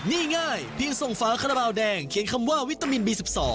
นี่ง่ายเพียงส่งฝาคาราบาลแดงเขียนคำว่าวิตามินบี๑๒